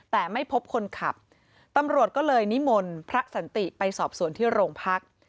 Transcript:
แต่ไม่พบคนขับตำรวจก็เลยนิมนต์พระสันติไปสอบสวนที่โรงพัก